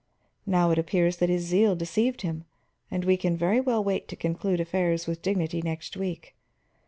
Now it appears that his zeal deceived him, and we can very well wait to conclude affairs with dignity next week.